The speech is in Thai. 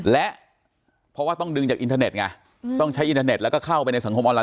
และเพราะว่าต้องดึงไอจากอินเทอร์เน็ตไง